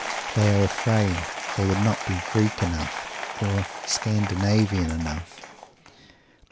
They are afraid they would not be "Greek" enough or "Scandinavian" enough.